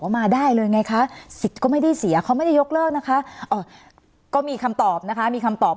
สนับสนุนโดยพี่โพเพี่ยวสะอาดใสไร้คราบ